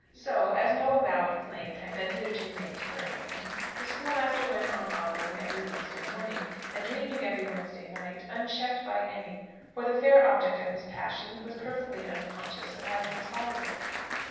So, as no avowed claim had been hitherto made to her hand, the schoolmaster went on ogling every Wednesday morning, and dreaming every Wednesday night, unchecked by any: for the fair object of his passion was perfectly unconscious of having inspired it.